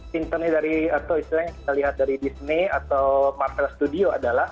cinta cinta dari atau istilahnya kita lihat dari disney atau marvel studio adalah